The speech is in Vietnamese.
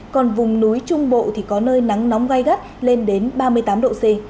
còn vùng núi trung bộ thì có nơi nắng nóng gai gắt lên đến ba mươi tám độ c